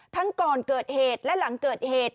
ก่อนเกิดเหตุและหลังเกิดเหตุ